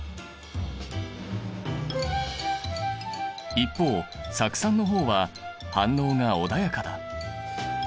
一方酢酸の方は反応が穏やかだ。